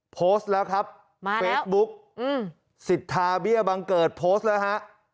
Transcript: โพสต์แล้วครับเฟซบุ๊กสิทธาเบี้ยบังเกิดโพสต์แล้วฮะ